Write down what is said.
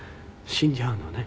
死んじゃうのね。